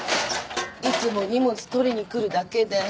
いつも荷物取りに来るだけで。